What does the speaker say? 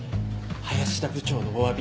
林田部長のおわび。